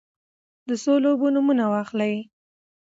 د څو لوبو نومونه واخلی ؟